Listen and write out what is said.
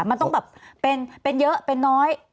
มันต้องแบบเป็นเยอะเป็นน้อย